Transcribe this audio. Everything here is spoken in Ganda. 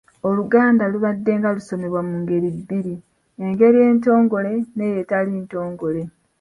Oluganda lubaddenga lusomesebwa mu ngeri bbiri; engeri entongole, n’eyo etali ntongole.